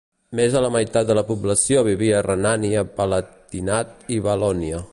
Més de la meitat de la població vivia a Renània-Palatinat i Valònia.